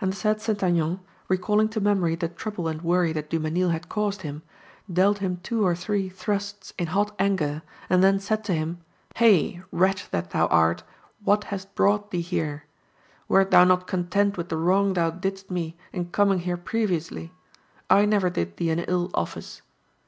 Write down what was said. And the said St. Aignan recalling to memory the trouble and worry that Dumesnil had caused him, dealt him two or three thrusts in hot anger, and then said to him: 'Hey! Wretch that thou art, what hast brought thee here? Wert thou not content with the wrong thou didst me in coming here previously? I never did thee an ill office.